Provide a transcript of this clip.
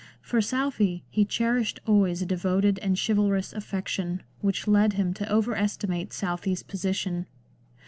For Southey he cherished always a devoted and chivalrous affection which led him to over estimate Southey's position.